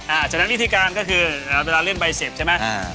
ฉะนั้นวิธีการก็คือเวลาเล่นใบเสร็จใช่ไหม